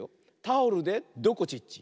タオルでどこちっち。